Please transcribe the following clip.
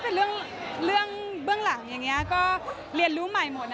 แต่เรื่องเบื้องหลังอย่างนี้ก็เรียนรู้ใหม่หมด